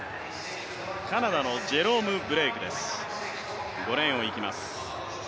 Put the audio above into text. カナダのジェロム・ブレークです、５レーンをいきます。